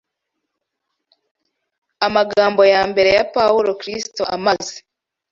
Amagambo ya mbere ya Pawulo Kristo amaze